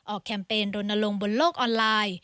ออกแคมเปญโดนลงบนโลกออนไลน์